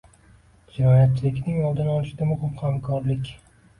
Jinoyatchilikning oldini olishda muhim hamkorlikng